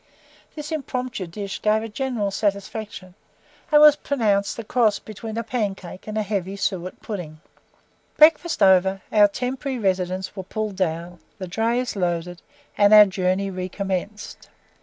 This impromptu dish gave general satisfaction and was pronounced a cross between a pancake and a heavy suet pudding. Breakfast over, our temporary residences were pulled down, the drays loaded, and our journey recommenced.